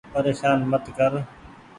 پريشان مت ڪر ۔